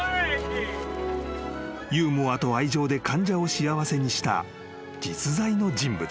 ［ユーモアと愛情で患者を幸せにした実在の人物］